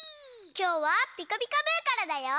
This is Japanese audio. きょうは「ピカピカブ！」からだよ。